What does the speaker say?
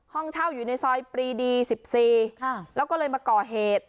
ห้องเช่าอยู่ในซอยปรีดี๑๔แล้วก็เลยมาก่อเหตุ